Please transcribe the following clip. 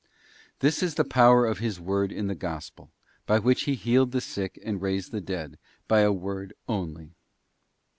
This is the power of His word in the Gospel, by which _ He healed the sick and raised the dead, by a word only.